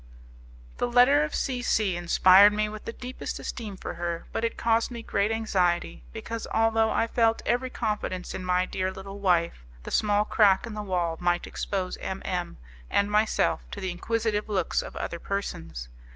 The letter of C C inspired me with the deepest esteem for her, but it caused me great anxiety, because, although I felt every confidence in my dear little wife, the small crack in the wall might expose M M and myself to the inquisitive looks of other persons.